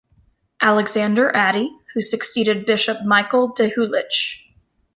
Alexander Atty, who succeeded Bishop Michael Dahulich.